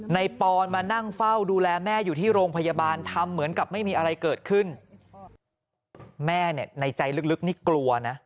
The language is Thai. ปอนมานั่งเฝ้าดูแลแม่อยู่ที่โรงพยาบาลทำเหมือนกับไม่มีอะไรเกิดขึ้นแม่เนี่ยในใจลึกนี่กลัวนะ